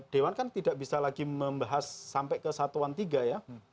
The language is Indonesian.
dewan kan tidak bisa lagi membahas sampai ke satuan tiga ya